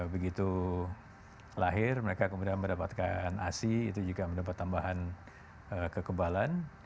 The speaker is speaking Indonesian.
begitu lahir mereka kemudian mendapatkan asi itu juga mendapat tambahan kekebalan